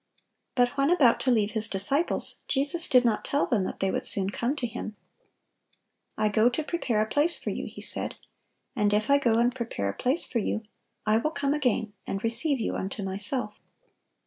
But when about to leave His disciples, Jesus did not tell them that they would soon come to Him. "I go to prepare a place for you," He said. "And if I go and prepare a place for you, I will come again, and receive you unto Myself."